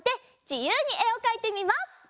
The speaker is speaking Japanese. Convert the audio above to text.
じゆうにえをかいてみます！